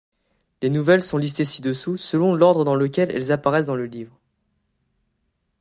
Les nouvelles sont listées ci-dessous selon l'ordre dans lequel elles apparaissent dans le livre.